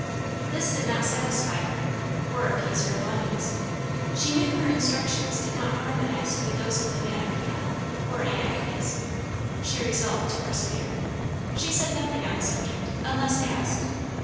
This did not satisfy her, or appease her longings. She knew her instructions did not harmonize with those of the man of God or Aunt Abby's. She resolved to persevere. She said nothing on the subject, unless asked.